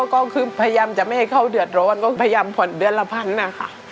ก็คือพยายามจะไม่ให้เขาเดือดร้อนก็พยายามผ่อนเดือนละพันนะคะ